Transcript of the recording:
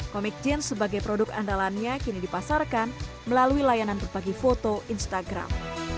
komik jeans sebagai produk andalannya kini dipasarkan melalui layanan berbagi foto instagram